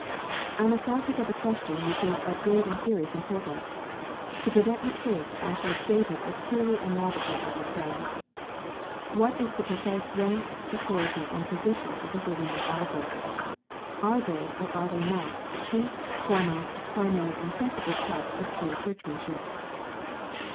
I must now take up a question which is of great and serious importance. To prevent mistakes I shall state it as clearly and logically as I can. " What is the precise ranJt, authority, and position of the TJiirty wine Articles ? Are they, or are they not, the chief, foremost, primary, and principal test of true Churchmanship